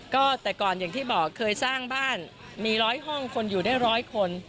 ก็แต่ก่อนอย่างที่บอกเคยสร้างบ้านมีร้อยห้องคนอยู่ได้ร้อยคน